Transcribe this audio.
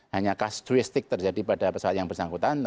hanya kastuistik terjadi pada pesawat yang bersangkutan